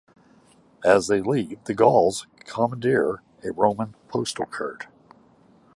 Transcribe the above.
As they leave, the Gauls commandeer a Roman postal cart.